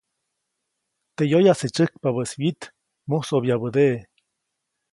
Teʼ yoyase tysäjkpabäʼis wyit, musobyabädeʼe.